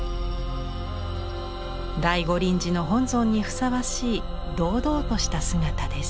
大御輪寺の本尊にふさわしい堂々とした姿です。